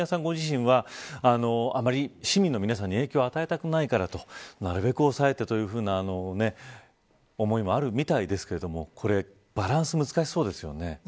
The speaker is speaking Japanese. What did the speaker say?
ご自身はあまり市民の皆さんに影響を与えたくないからとなるべく抑えてという思いもあるみたいですけれどもバランスが難しそうですよね。